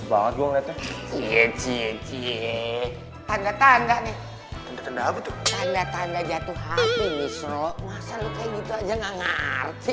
banget banget ya cici tanda tanda tanda tanda jatuh hati nisro masa gitu aja nggak ngerti